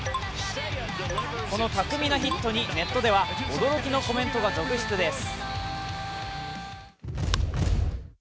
この巧みなヒットにネットでは驚きのコメントが続出です。